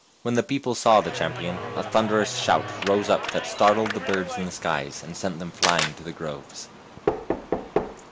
When the people saw the champion a thun derous shout rose up that startled the birds in the skies, and sent them flying to the groves.